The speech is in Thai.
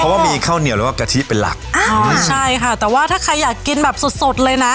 เพราะว่ามีข้าวเหนียวหรือว่ากะทิเป็นหลักอ๋อใช่ค่ะแต่ว่าถ้าใครอยากกินแบบสดสดเลยนะ